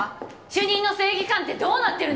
主任の正義感ってどうなってるんですか！？